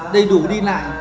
đầy đủ đi lại